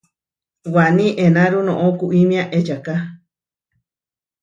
Waní enáru noʼó kuyímia ečaká.